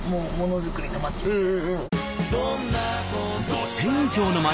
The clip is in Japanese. ５，０００以上の町